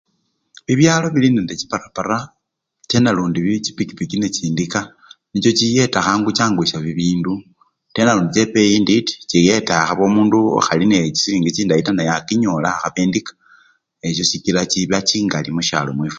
Bibyalo bilinende chiparapara atenalundi byechipikipiki nechindika nicho chiyeta khangu changuyisya bibindu tenalundi chebeyi intiti, chiyeta akhaba omundu okhali ne chisilingi chindayi taa naye akinyola akhaba endika necho sikila chiba chingali musyalo mwefwe.